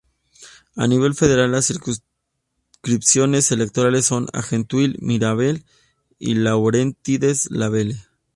A nivel federal, las circunscripciones electorales son "Argenteuil-Mirabel" y "Laurentides-Labelle".